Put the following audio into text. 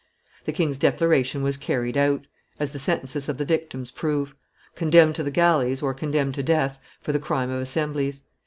The king's declaration was carried out, as the sentences of the victims prove: Condemned to the galleys, or condemned to death for the crime of assemblies."